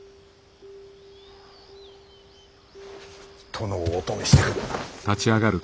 殿をお止めしてくる。